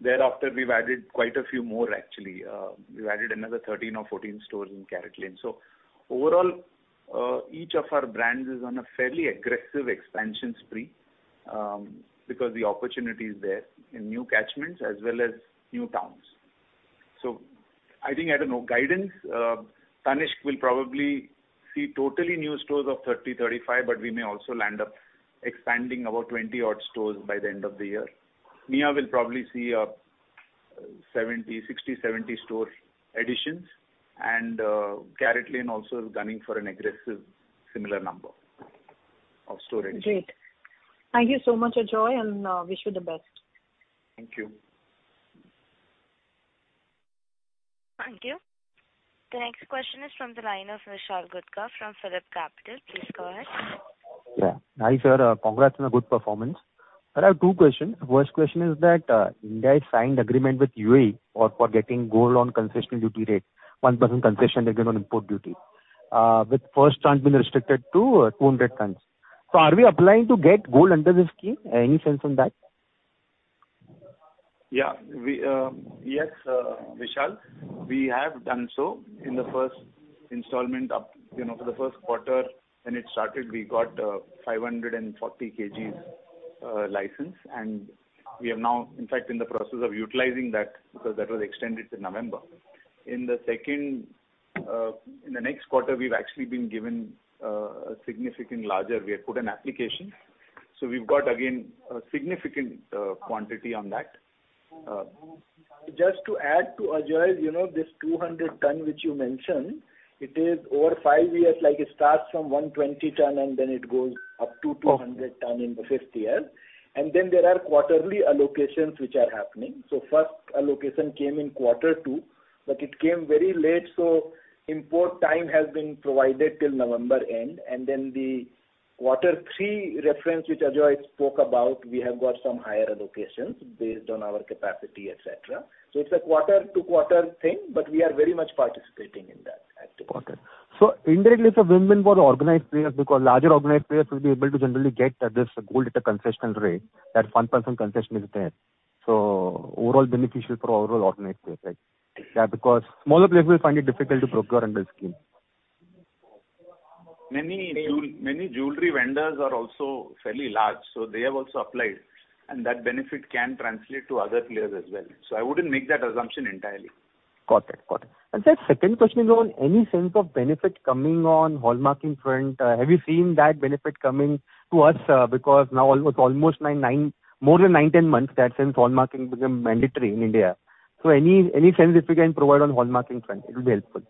thereafter we've added quite a few more actually. We've added another 13 or 14 stores in CaratLane. Overall, each of our brands is on a fairly aggressive expansion spree, because the opportunity is there in new catchments as well as new towns. I think, I don't know, guidance, Tanishq will probably see totally new stores of 30-35, but we may also land up expanding about 20 odd stores by the end of the year. Mia will probably see a 60-70 store additions. CaratLane also is gunning for an aggressive similar number of store additions. Great. Thank you so much, Ajoy, and wish you the best. Thank you. Thank you. The next question is from the line of Vishal Gutka from PhillipCapital. Please go ahead. Yeah. Hi, sir. Congrats on a good performance. I have two questions. First question is that India has signed agreement with UAE for getting gold on concessional duty rate, 1% concession they get on import duty, with first tranche being restricted to 200 tons. Are we applying to get gold under this scheme? Any sense on that? Yes, Vishal, we have done so in the first installment up, you know, for the first quarter when it started. We got 540 kgs license. We are now, in fact, in the process of utilizing that because that was extended till November. In the next quarter, we have put an application. We've got again a significant quantity on that. Just to add to Ajoy's, you know, this 200 ton which you mentioned, it is over 5 years. Like, it starts from 120 ton, and then it goes up to 200 ton in the fifth year. Then there are quarterly allocations which are happening. First allocation came in quarter two, but it came very late, so import time has been provided till November end. Then the quarter three reference which Ajoy spoke about, we have got some higher allocations based on our capacity, et cetera. It's a quarter-to-quarter thing, but we are very much participating in that. Got it. Indirectly it's a win-win for the organized players because larger organized players will be able to generally get this gold at a concessional rate. That 1% concession is there. Overall beneficial for overall organized players, right? Yeah, because smaller players will find it difficult to procure under this scheme. Many jewelry vendors are also fairly large, so they have also applied and that benefit can translate to other players as well. I wouldn't make that assumption entirely. Got it. Sir, second question is on any sense of benefit coming on hallmarking front. Have you seen that benefit coming to us? Because now almost 9, more than 9, 10 months that since hallmarking became mandatory in India. Any sense if you can provide on hallmarking front, it will be helpful.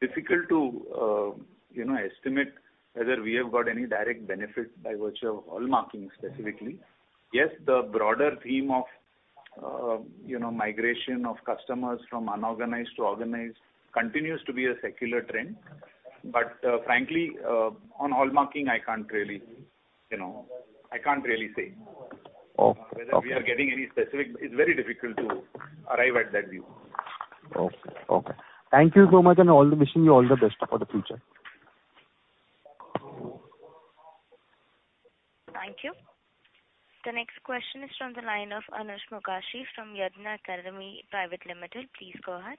Difficult to, you know, estimate whether we have got any direct benefit by virtue of hallmarking specifically. Yes, the broader theme of, you know, migration of customers from unorganized to organized continues to be a secular trend. Frankly, on hallmarking, I can't really, you know, I can't really say. Okay. Whether we are getting any specific, it's very difficult to arrive at that view. Okay. Thank you so much, wishing you all the best for the future. Thank you. The next question is from the line of Anuj Mukashi from Yadnya Karami Private Limited. Please go ahead.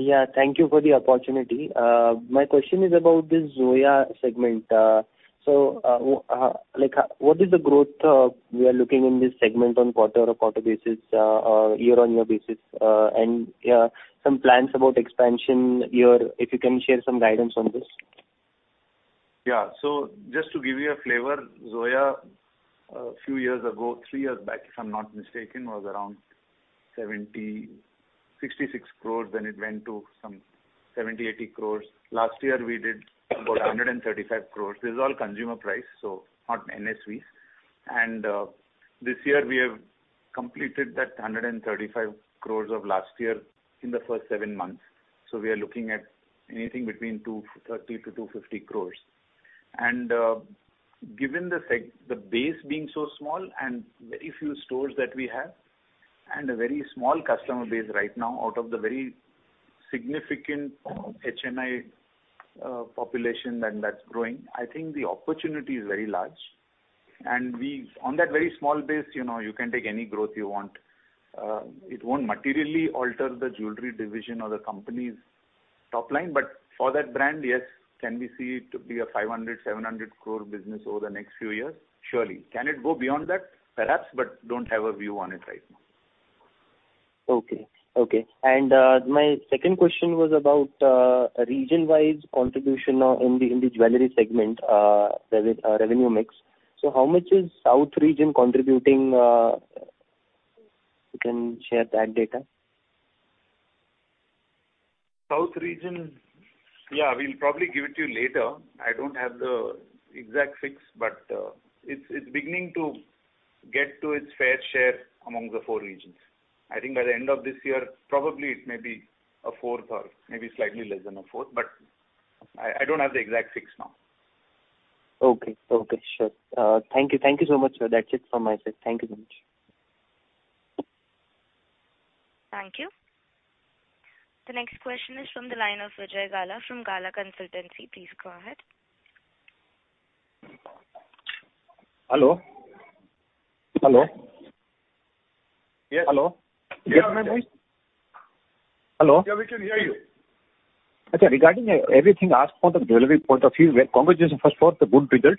Yeah, thank you for the opportunity. My question is about this Zoya segment. Like, what is the growth we are looking in this segment on quarter-on-quarter basis, or year-on-year basis, and some plans about expansion here, if you can share some guidance on this. Yeah. Just to give you a flavor, Zoya, a few years ago, three years back if I'm not mistaken, was around 76 crores, then it went to some 78 crores. Last year we did about 135 crores. This is all consumer price, so not NSVs. This year we have completed that 135 crores of last year in the first seven months. We are looking at anything between 230 crores-250 crores. Given the base being so small and very few stores that we have and a very small customer base right now out of the very significant HNI population and that's growing, I think the opportunity is very large. On that very small base, you know, you can take any growth you want. It won't materially alter the jewelry division or the company's top line. For that brand, yes, can we see it to be a 500-700 crore business over the next few years? Surely. Can it go beyond that? Perhaps, but don't have a view on it right now. Okay, my second question was about region-wise contribution in the jewelry segment, revenue mix. How much is South region contributing? You can share that data. South region. Yeah, we'll probably give it to you later. I don't have the exact figure, but it's beginning to get to its fair share among the four regions. I think by the end of this year, probably it may be a fourth or maybe slightly less than a fourth, but I don't have the exact figure now. Okay. Sure. Thank you. Thank you so much, sir. That's it from my side. Thank you very much. Thank you. The next question is from the line of Vijay Gala from Gala Consultancy. Please go ahead. Hello? Hello? Yes. Hello? Yes. Can you hear my voice? Hello? Yeah, we can hear you. Okay. Regarding everything asked from the delivery point of view, congratulations for the good result.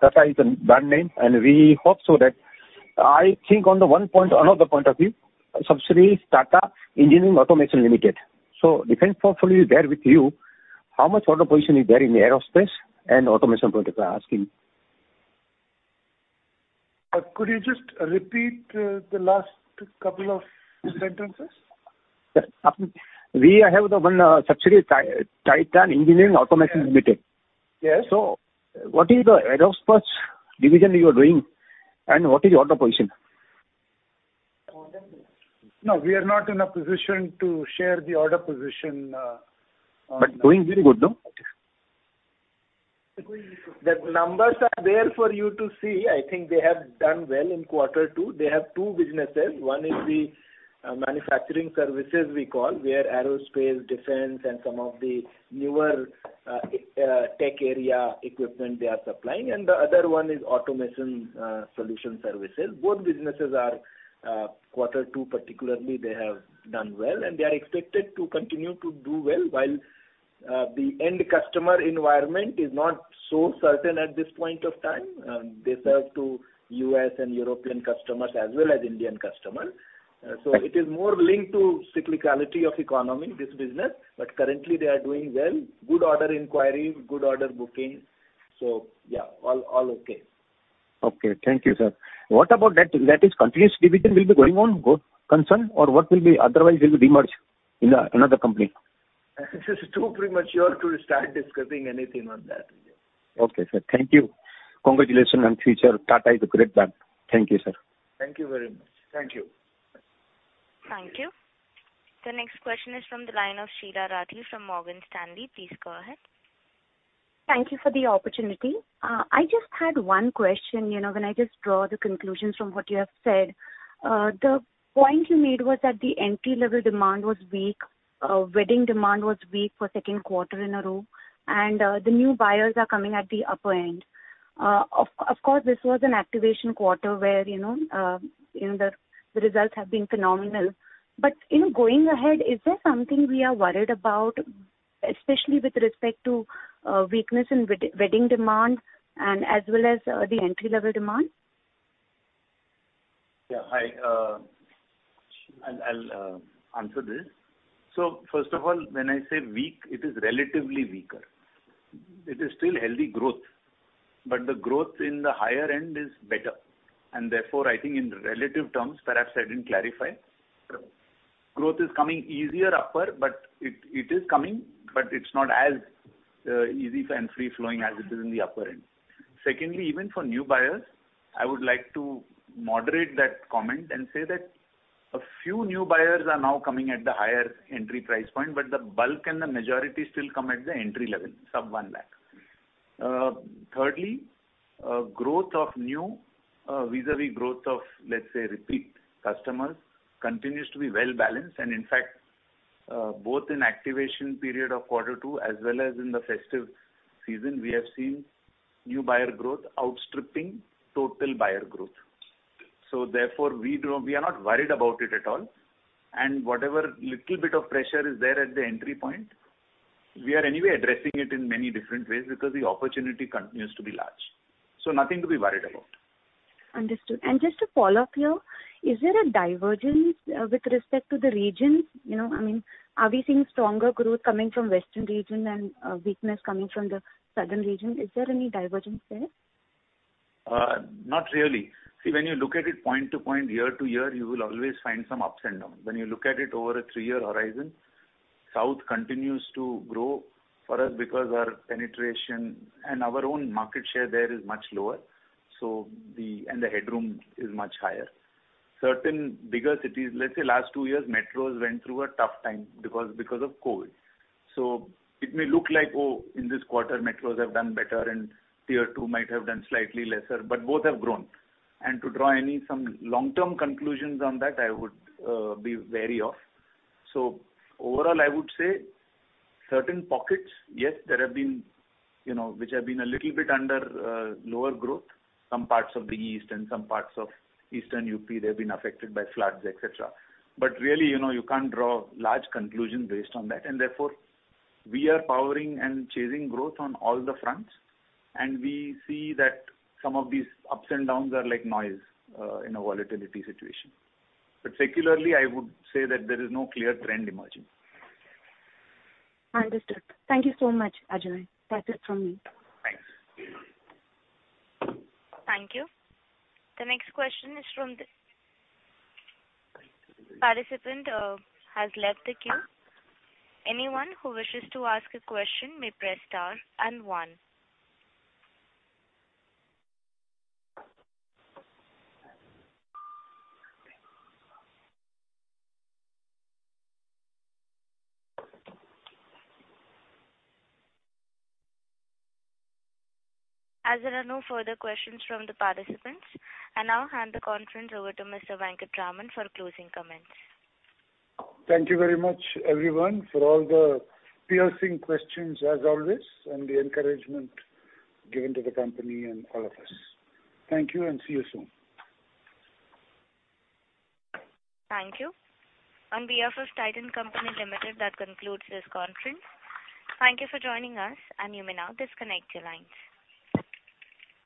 Tata is a brand name, and we hope so that I think on the one point, another point of view, subsidiary is Titan Engineering and Automation Limited. Defense portfolio is there with you. How much order position is there in the aerospace and automation project I asking? Could you just repeat the last couple of sentences? Yes. We have the one subsidiary, Titan Engineering and Automation Limited. Yes. What is the aerospace division you are doing, and what is the order position? No, we are not in a position to share the order position. Doing very good, no? The numbers are there for you to see. I think they have done well in quarter two. They have two businesses. One is the manufacturing services we call, where aerospace, defense and some of the newer tech area equipment they are supplying. The other one is automation solution services. Both businesses are quarter two particularly, they have done well and they are expected to continue to do well while the end customer environment is not so certain at this point of time. They serve to US and European customers as well as Indian customers. It is more linked to cyclicality of economy, this business. Currently they are doing well. Good order inquiry, good order booking. Yeah, all okay. Okay. Thank you, sir. What about that is continuous division will be going concern or what will be otherwise will be demerged into another company? It is too premature to start discussing anything on that with you. Okay, sir. Thank you. Congratulations on future. Tata is a great brand. Thank you, sir. Thank you very much. Thank you. Thank you. The next question is from the line of Sridhar Hari from Morgan Stanley. Please go ahead. Thank you for the opportunity. I just had one question. You know, when I just draw the conclusions from what you have said, the point you made was that the entry-level demand was weak, wedding demand was weak for second quarter in a row and, the new buyers are coming at the upper end. Of course, this was an activation quarter where, you know, the results have been phenomenal. You know, going ahead, is there something we are worried about, especially with respect to, weakness in wedding demand and as well as, the entry-level demand? Yeah. I will answer this. First of all, when I say weak, it is relatively weaker. It is still healthy growth, but the growth in the higher end is better. Therefore, I think in relative terms, perhaps I didn't clarify, growth is coming easier upper, but it is coming, but it's not as easy and free-flowing as it is in the upper end. Secondly, even for new buyers, I would like to moderate that comment and say that a few new buyers are now coming at the higher entry price point, but the bulk and the majority still come at the entry level, sub 1 lakh. Thirdly, growth of new vis-a-vis growth of, let's say, repeat customers continues to be well-balanced. In fact, both in activation period of quarter two as well as in the festive season, we have seen new buyer growth outstripping total buyer growth. We are not worried about it at all. Whatever little bit of pressure is there at the entry point, we are anyway addressing it in many different ways because the opportunity continues to be large. Nothing to be worried about. Understood. Just to follow up here, is there a divergence with respect to the regions? You know, I mean, are we seeing stronger growth coming from western region and weakness coming from the southern region? Is there any divergence there? Not really. See, when you look at it point to point, year to year, you will always find some ups and downs. When you look at it over a three-year horizon, South continues to grow for us because our penetration and our own market share there is much lower. The headroom is much higher. Certain bigger cities, let's say last two years, metros went through a tough time because of COVID. It may look like, oh, in this quarter metros have done better and tier two might have done slightly lesser, but both have grown. To draw any some long-term conclusions on that, I would be wary of. Overall, I would say certain pockets, yes, there have been, you know, which have been a little bit under lower growth. Some parts of the east and some parts of eastern UP, they've been affected by floods, et cetera. Really, you know, you can't draw large conclusions based on that. Therefore, we are powering and chasing growth on all the fronts. We see that some of these ups and downs are like noise, in a volatility situation. Secularly, I would say that there is no clear trend emerging. Understood. Thank you so much, Ajoy. That is from me. Thanks. Thank you. The next question is from the participant who has left the queue. Anyone who wishes to ask a question may press star and one. As there are no further questions from the participants, I now hand the conference over to Mr. Venkataraman for closing comments. Thank you very much, everyone, for all the piercing questions as always, and the encouragement given to the company and all of us. Thank you, and see you soon. Thank you. On behalf of Titan Company Limited, that concludes this conference. Thank you for joining us, and you may now disconnect your lines.